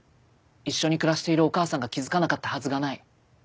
一緒に暮らしているお母さんが気付かなかったはずがない。